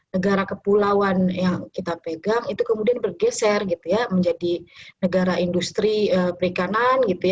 negara kepulauan yang kita pegang itu kemudian bergeser menjadi negara industri perikanan